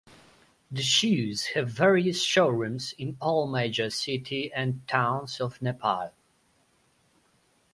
The shoes have various showrooms in all major city and towns of Nepal.